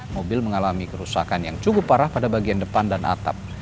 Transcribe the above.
mobil mengalami kerusakan yang cukup parah pada bagian depan dan atap